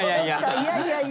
いやいやいや。